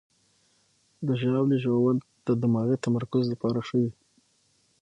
د ژاولې ژوول د دماغي تمرکز لپاره ښه وي.